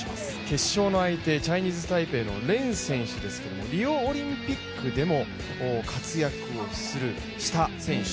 決勝の相手、チャイニーズ・タイペイの連選手ですけれどもリオオリンピックでも活躍をした選手。